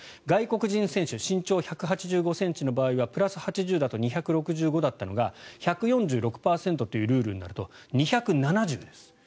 外国人選手は身長１８５ｃｍの場合はプラス８０だと２６５ｃｍだったのが１４６％というルールになると２７０ｃｍです。